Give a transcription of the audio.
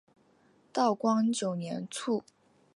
道光九年卒。